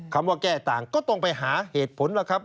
คำว่าแก้ต่างก็ต้องไปหาเหตุผลล่ะครับ